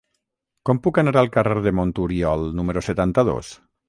Com puc anar al carrer de Monturiol número setanta-dos?